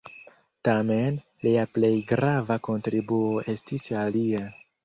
Tamen, lia plej grava kontribuo estis alia.